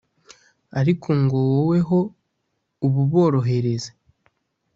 ariko ngo wowe ho ububorohereze